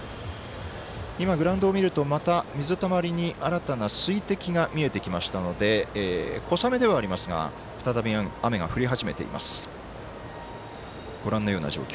今、グラウンドを見るとまた新たな水滴が見えてきましたので小雨ではありますが再び、雨が降り始めています。